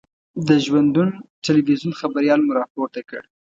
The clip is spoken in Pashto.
د ژوندون تلویزون خبریال مو را پورته کړ.